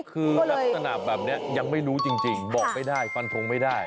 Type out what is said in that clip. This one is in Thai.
คือลักษณะแบบนี้ยังไม่รู้จริงบอกไม่ได้ฟันทงไม่ได้